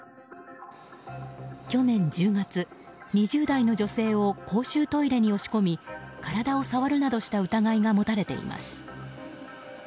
去年１０月、２０代の女性を公衆トイレに押し込み体を触るなどした疑いが持たれています。